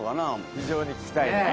非常に聞きたいね。